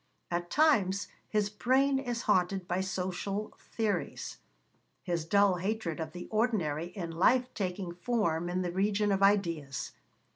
At times his brain is haunted by social theories his dull hatred of the ordinary in life taking form in the region of ideas.